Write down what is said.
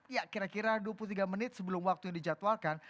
ya kira kira dua puluh tiga menit sebelum waktu yang dijadwalkan